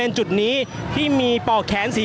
ก็น่าจะมีการเปิดทางให้รถพยาบาลเคลื่อนต่อไปนะครับ